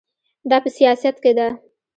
دا په سیاست کې ده.